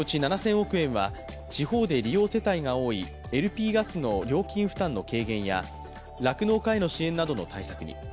このうち７０００億円は地方で利用世帯が多いＬＰガスの料金負担の軽減や、酪農家への支援などの対策に。